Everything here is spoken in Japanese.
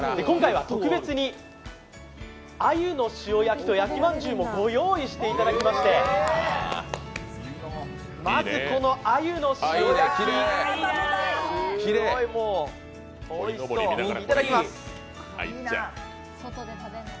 今回は特別に鮎の塩焼きと焼きまんじゅうもご用意いただきましてまず鮎の塩焼き、おいしそう、大きい。